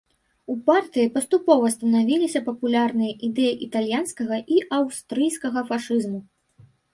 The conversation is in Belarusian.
У партыі паступова станавіліся папулярныя ідэі італьянскага і аўстрыйскага фашызму.